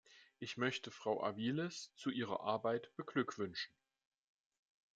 Ich möchte Frau Aviles zu ihrer Arbeit beglückwünschen.